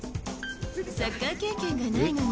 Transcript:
サッカー経験がないのに。